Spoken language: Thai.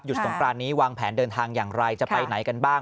สงกรานนี้วางแผนเดินทางอย่างไรจะไปไหนกันบ้าง